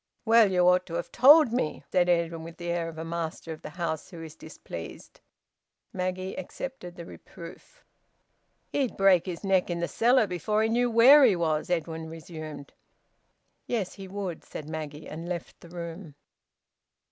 "Well, you ought to have told me," said Edwin, with the air of a master of the house who is displeased. Maggie accepted the reproof. "He'd break his neck in the cellar before he knew where he was," Edwin resumed. "Yes, he would," said Maggie, and left the room.